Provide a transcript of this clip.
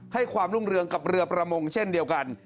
ความรุ่งเรืองกับเรือประมงเช่นเดียวกัน